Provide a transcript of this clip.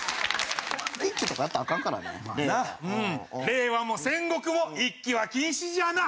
令和も戦国もいっきは禁止じゃな。